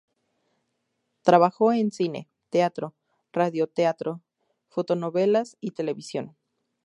Trabajó en cine, teatro, radioteatro, fotonovelas y televisión.